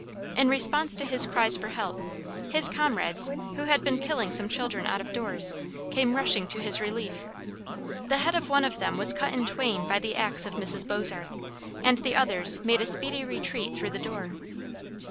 In response to his cries for help, his comrades, who had been killing some children out of doors, came rushing to his relief. The head of one of them was cut in twain by the axe of Mrs. Bozarth, and the others made a speedy retreat through the door.